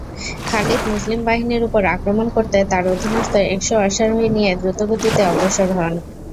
খালিদ মুসলিম বাহিনীর উপর আক্রমণ করতে তার অধীনস্থ একশ অশ্বারোহী নিয়ে দ্রুতগতিতে অগ্রসর হন।